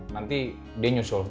nanti dia nyusul